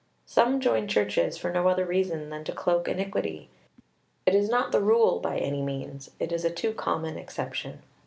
Some join churches for no other reason than to cloak iniquity. It is not the rule by any means; it is a too common exception.